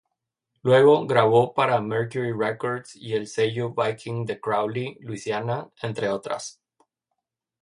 Luego, grabó para Mercury Records y el sello Viking de Crowley, Louisiana, entre otras.